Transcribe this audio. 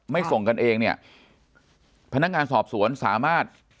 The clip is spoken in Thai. ส่งกันเองเนี่ยพนักงานสอบสวนสามารถ